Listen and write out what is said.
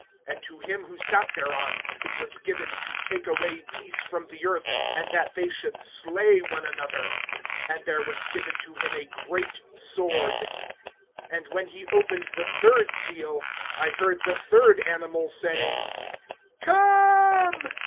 And to him who sat thereon it was given to take away peace from the earth, and that they should slay one another; and there was given to him a great sword. (5)And when he opened the third seal, I heard the third animal saying: Come!